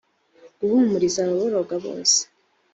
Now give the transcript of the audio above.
guhumuriza ababoroga bose